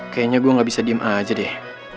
kayaknya gue gak bisa diem aja deh